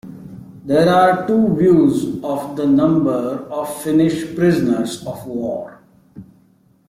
There are two views of the number of Finnish prisoners of war.